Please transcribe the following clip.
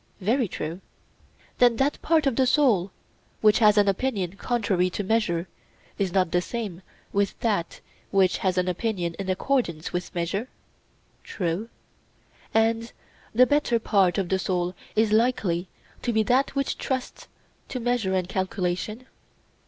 Very true. Then that part of the soul which has an opinion contrary to measure is not the same with that which has an opinion in accordance with measure? True. And the better part of the soul is likely to be that which trusts to measure and calculation?